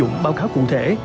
dùng báo cáo cụ thể